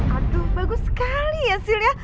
aduh bagus sekali ya silya